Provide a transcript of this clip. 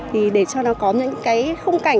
thì để cho nó có những cái không cảnh